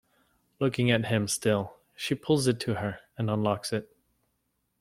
Looking at him still, she pulls it to her and unlocks it.